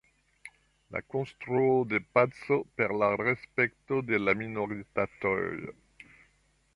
La konstruo de paco per la respekto de la minoritatoj.